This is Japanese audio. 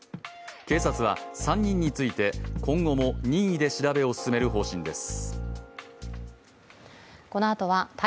警察は３人について、今後も任意で調べを進める方針です。